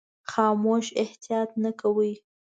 خاموش احتیاط نه کاوه.